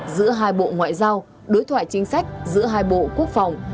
giữa hai bộ ngoại giao đối thoại chính sách giữa hai bộ quốc phòng